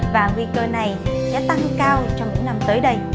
và nguy cơ này sẽ tăng cao trong những năm tới đây